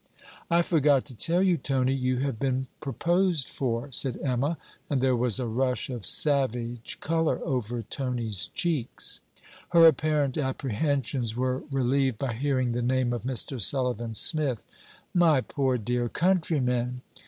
'I forgot to tell you, Tony, you have been proposed for,' said Emma; and there was a rush of savage colour over Tony's cheeks. Her apparent apprehensions were relieved by hearing the name of Mr. Sullivan Smith. 'My poor dear countryman!